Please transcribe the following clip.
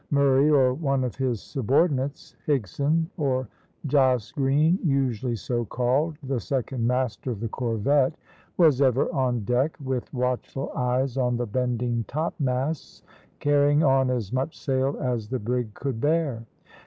Murray, or one of his subordinates, Higson, or Jos Green usually so called, the second master of the corvette, was ever on deck, with watchful eyes on the bending topmasts, carrying on as much sail as the brig could bear.